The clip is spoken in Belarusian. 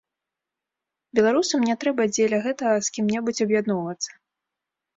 Беларусам не трэба дзеля гэтага з кім-небудзь аб'ядноўвацца.